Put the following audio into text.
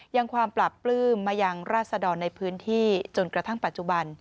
ยังความปราบปลื้มมายังราศดรในพื้นที่จนกระทั่งปัจจุบัน